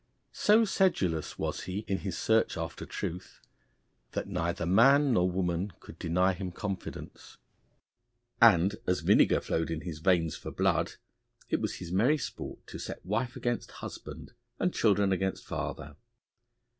So sedulous was he in his search after the truth, that neither man nor woman could deny him confidence. And, as vinegar flowed in his veins for blood, it was his merry sport to set wife against husband and children against father.